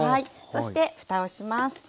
そしてふたをします。